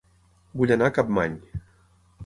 Vull anar a Capmany